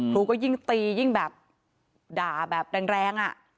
ครูก็ยิ่งตียิ่งแบบด่าแบบแรง